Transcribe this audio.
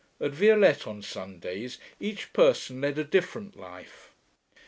At Violette on Sundays each person led a different life.